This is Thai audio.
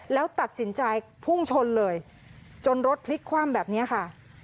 แล้วตัดสินใจพุ่งชนเลยจนรถพลิกคว่ำแบบนี้ค่ะ